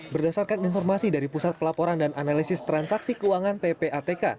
berdasarkan informasi dari pusat pelaporan dan analisis transaksi keuangan ppatk